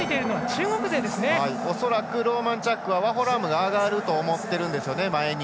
ローマンチャックはワホラームが上がると思ってるんですよね。